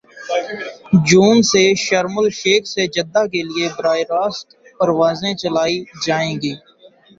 جون سے Sharm el Sheikh سے Jeddah کے لیے براہ راست پروازیں چلائی جائیں گی